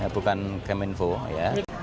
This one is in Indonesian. bukan kementerian komunikasi informatika